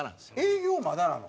営業まだなの？